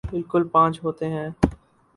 بالکل پانچ ہوتے ہیں